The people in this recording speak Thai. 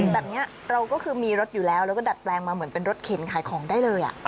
แบบนี้เราก็คือมีรถอยู่แล้วแล้วก็ดัดแปลงมาเหมือนเป็นรถเข็นขายของได้เลย